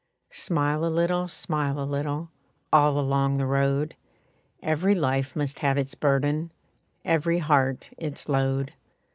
Smile a little, smile a little, All along the road; Every life must have its burden, Every heart its load.